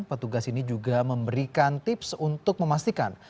petugas ini juga memberikan tips untuk memastikan